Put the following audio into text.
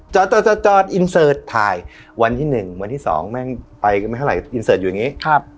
จอดอินเสิร์ตถ่ายวันที่๑วันที่๒แม่งไปกันไม่เท่าไหอินเสิร์ตอยู่อย่างนี้